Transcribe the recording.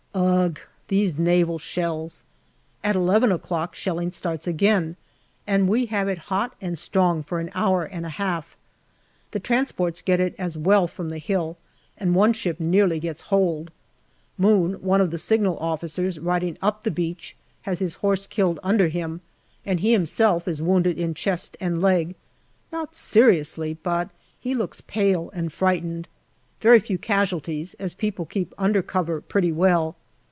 Ugh ! those naval shells. At eleven o'clock shelling starts again, and we have it hot and strong for an hour and a half. The transports get it as well from the hill, and one ship nearly gets holed. Moon, one of the Signal Officers, riding up the beach has his horse killed under him, and he himself is wounded in chest and leg. Not seriously, but he looks pale and frightened. Very few casualties, as people keep under cover pretty well.